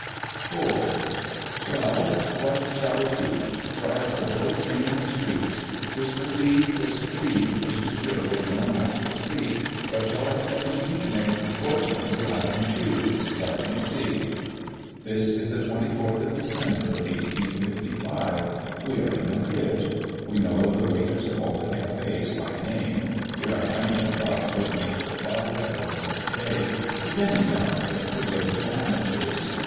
IV. Well, what shall it be? for, as the boys sing in the streets, "Christmas Eve! Christmas Eve! This is surely no night for sleep!" Where shall I spend the evening? Fortunately I can choose; let me see. This is the 24th of December, 1855. We are in Madrid. We know the waiters of all the cafés by name. We are hand in glove with the most applauded poets of the day, the demi gods of provincial amateurs.